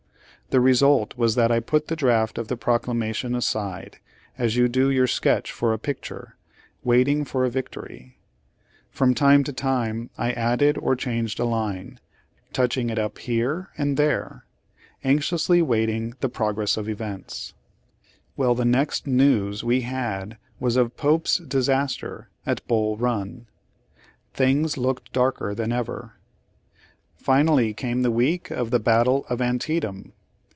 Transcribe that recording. The result was that I put the draft of the proclamation aside, as you do your sketch for a picture, waiting for a victory. From time to time I added or changed a line, touching it up here and Page Eighty eight there, anxiously watching the progress of events. Weil, the next news we had was of Pope's disaster, at Bull Run. Things looked darker than ever. Finally, came the week of the battle of Antietam.